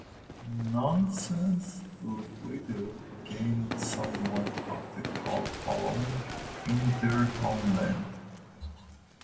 Nonetheless, Liquido gained somewhat of a cult following in their homeland.